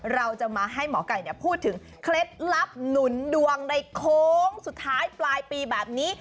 เราจะมาให้หมอไก่พูดถึงเคล็ดลับหนุนดวงในโค้งสุดท้ายปลายปีแบบนี้